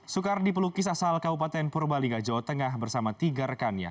soekardi pelukis asal kabupaten purbalingga jawa tengah bersama tiga rekannya